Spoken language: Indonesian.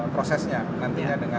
prosesnya nantinya dengan